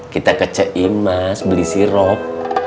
kita ke c i m a s beli sirup